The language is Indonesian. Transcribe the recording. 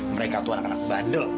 mereka tuh anak anak bandel